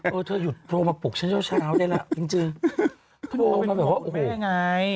ให้ถ้าอยู่โพลมาปลูกเช่าได้แล้วจริงก็ไม่ได้ไง